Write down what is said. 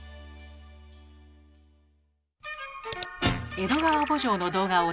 「江戸川慕情」の動画を大募集。